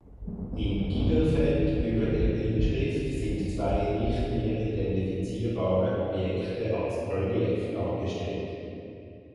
Im Giebelfeld über der Inschrift sind zwei nicht mehr identifizierbare Objekte als Relief dargestellt.